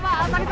kenapa ini sih